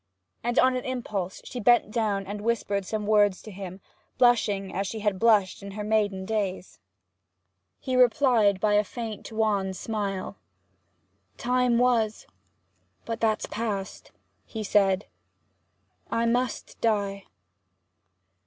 And on an impulse she bent down and whispered some words to him, blushing as she had blushed in her maiden days. He replied by a faint wan smile. 'Time was! ... but that's past!' he said, 'I must die!'